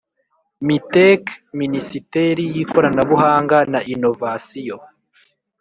Mitec minisiteri y ikoranabuhanga na inovasiyo